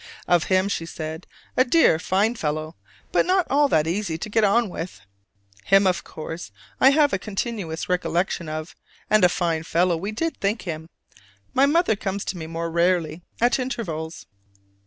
Of him she said, "A dear, fine fellow: but not at all easy to get on with." Him, of course, I have a continuous recollection of, and "a fine fellow" we did think him. My mother comes to me more rarely, at intervals.